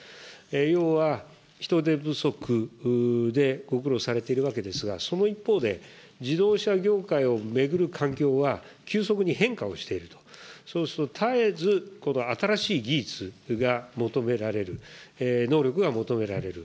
要は人手不足でご苦労されているわけですが、その一方で、自動車業界を巡る環境は、急速に変化をしていると、そうすると、絶えず新しい技術が求められる、能力が求められる。